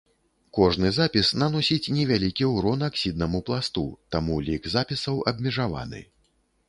Кожны запіс наносіць невялікі ўрон аксіднаму пласту, таму лік запісаў абмежаваны.